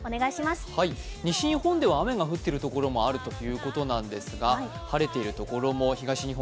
西日本では雨が降ってるところもあるということなんですが晴れているところも、東日本